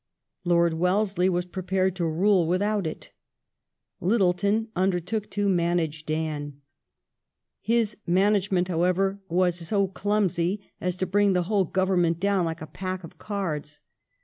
Lord Wellesley was prepared to rule without it : Littleton undertook to " manage Dan". His " management," however, was so clumsy as to bring the whole Government down like a pack of cards.